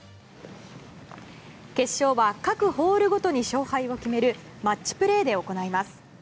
決勝は各ホールごとに勝敗を決めるマッチプレーで行います。